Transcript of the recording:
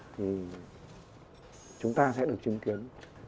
thì chúng ta sẽ được chứng kiến